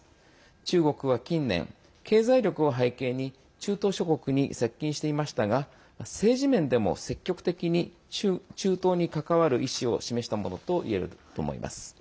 中国は近年、経済力を背景に中東諸国に接近していましたが政治面でも積極的に中東に関わる意思を示したものといえると思います。